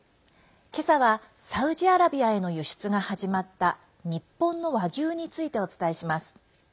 今朝は、サウジアラビアへの輸出が始まった日本の和牛についてお伝えします。